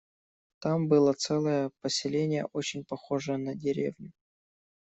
Там было целое поселение, очень похожее на деревню.